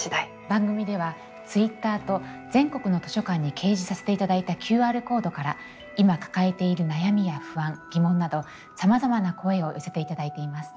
番組ではＴｗｉｔｔｅｒと全国の図書館に掲示させていただいたＱＲコードから今抱えている悩みや不安疑問などさまざまな声を寄せていただいています。